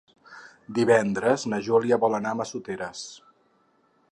Divendres na Júlia vol anar a Massoteres.